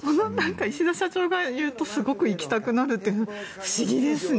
石田社長が言うとすごく行きたくなるって不思議ですね。